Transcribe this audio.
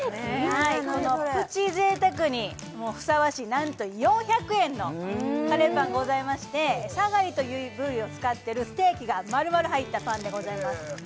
このプチ贅沢にふさわしいなんと４００円のカレーパンございましてサガリという部位を使ってるステーキが丸々入ったパンでございます